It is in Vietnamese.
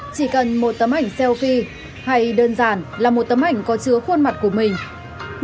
chỉ cần một tấm ảnh seoke hay đơn giản là một tấm ảnh có chứa khuôn mặt của mình